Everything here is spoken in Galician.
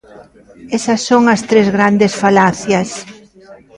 Esa son as tres grandes falacias.